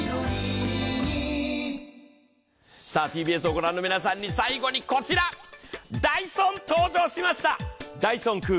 ＴＢＳを御覧の皆さんに最後にこちら、ダイソン、登場しました。